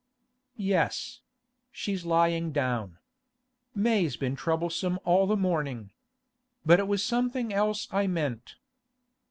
'Yes; she's lying down. May's been troublesome all the morning. But it was something else I meant.